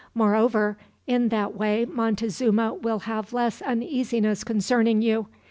Moreover, in that way Montezuma will have less uneasiness concerning you.